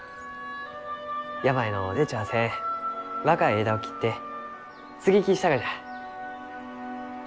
病の出ちゃあせん若い枝を切って接ぎ木したがじゃ。